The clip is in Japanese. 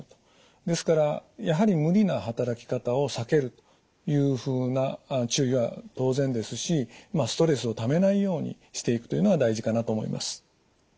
ですからやはり無理な働き方を避けるというふうな注意は当然ですしまあストレスをためないようにしていくというのが大事かなと思います。